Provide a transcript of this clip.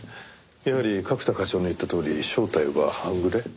やはり角田課長の言ったとおり正体は半グレ？